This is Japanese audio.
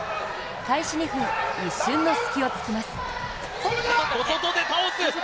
開始２分、一瞬の隙を突きます。